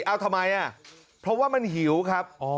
เอาทำไมเพราะว่ามันหิวครับ